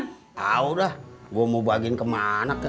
tahu dah gua mau bagiin kemana ke